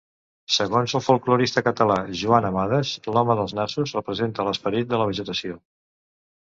Segons el folklorista català Joan Amades, l'Home dels nassos representa l'esperit de la vegetació.